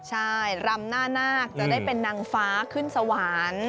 ใช่รำหน้านาคจะได้เป็นนางฟ้าขึ้นสวรรค์